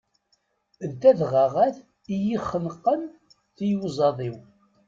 D tadɣaɣat iyi-xenqen tiyuẓaḍ-iw.